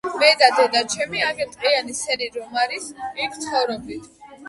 მე და დედაჩემი, აგერ ტყიანი სერი რომ არის იქ ვცხოვრობდით.